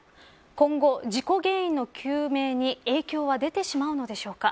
今後、事故原因の究明に影響は出てしまうのでしょうか。